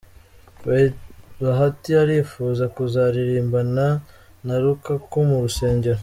Bahati arifuza kuzaririmbana na Rukaku mu rusengero